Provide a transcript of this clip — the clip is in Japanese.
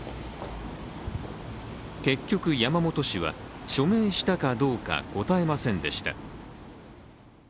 結局、山本氏は署名したかどうか答えませんでした。